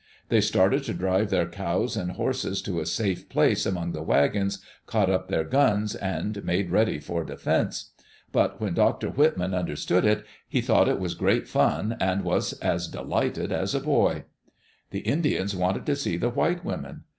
They started to drive their cows and horses to a safe place among the wagons, caught up their guns, and made ready Digitized by VjOOQ IC THE ADVENTURES OF THE WHITMANS for defense. But when Dr. Whitman understood it, he thought it was great fun and was as delighted as a boy. The Indians wanted to see the white women.